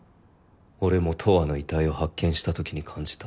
俺も十和の遺体を発見したときに感じた。